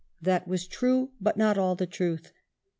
That was true, but not all the truth.